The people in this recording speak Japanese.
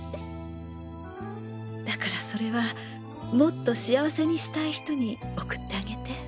だからそれはもっと幸せにしたい人に贈ってあげて。